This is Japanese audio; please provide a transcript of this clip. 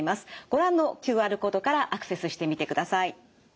ご覧のＱＲコードからアクセスしてみてください。